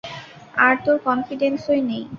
আর তোর কনফিডেন্সই নেই।